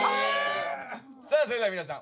さあそれでは皆さん